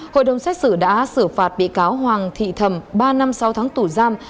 hội đồng xét xử đã xử phạt bị cáo hoàng thị thầm ba năm sáu tháng tù giam